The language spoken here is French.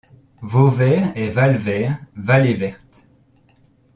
Vauvert est val vert, vallée verte.